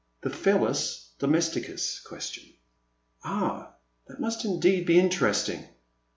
'The Pelis Domesticus question." *' Ah, that must indeed be interesting